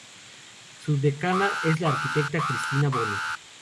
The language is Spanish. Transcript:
Su decana es la arquitecta Cristina Bonus.